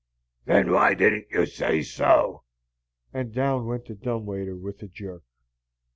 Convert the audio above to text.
"Then why didn't you say so?" And down went the dumb waiter with a jerk.